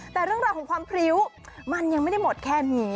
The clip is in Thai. แต่เรื่องราวของความพริ้วมันยังไม่ได้หมดแค่นี้